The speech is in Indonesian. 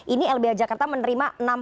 ini lbh jakarta menerima enam puluh empat